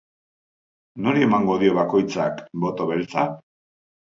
Nori emango dio bakoitzak boto beltza?